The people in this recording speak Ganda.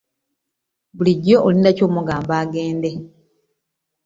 Bulijjo olinda ki okumugamba agende?